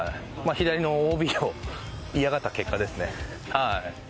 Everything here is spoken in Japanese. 左のＯＢを嫌がった結果ですね。